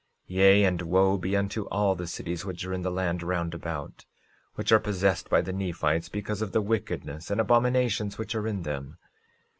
13:16 Yea, and wo be unto all the cities which are in the land round about, which are possessed by the Nephites, because of the wickedness and abominations which are in them.